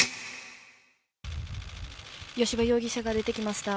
吉羽容疑者が出てきました、